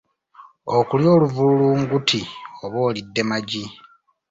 Okulya oluvulunguti oba olidde magi.